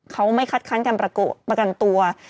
เขาไม่คัดค้านการประกันตัว